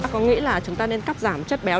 có nghĩa là chúng ta nên cắt giảm chất béo